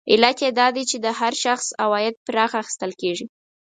علت یې دا دی چې د هر شخص عواید پراخه اخیستل کېږي